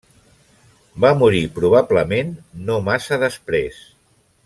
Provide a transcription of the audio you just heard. Va morir probablement no massa després.